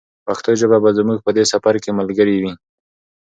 پښتو ژبه به زموږ په دې سفر کې ملګرې وي.